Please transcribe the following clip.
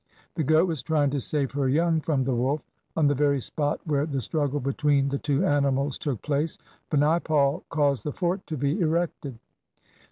The goat was trying to save her young from the wolf. On the very spot where the struggle between the two animals took place Binaipal caused the fort to be erected.